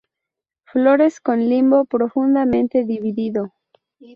Flores con limbo profundamente dividido.